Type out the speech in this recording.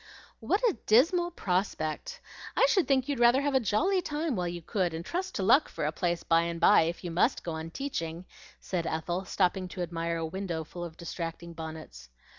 "What a dismal prospect! I should think you'd rather have a jolly time while you could, and trust to luck for a place by and by, if you must go on teaching," said Ethel, stopping to admire a window full of distracting bonnets.